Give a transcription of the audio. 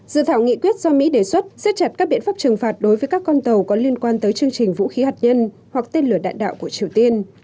dự thảo nghị quyết do mỹ đề xuất xếp chặt các biện pháp trừng phạt đối với các con tàu có liên quan tới chương trình vũ khí hạt nhân hoặc tên lửa đạn đạo của triều tiên